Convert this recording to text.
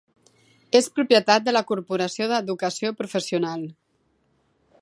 És propietat de la Corporació d'Educació Professional.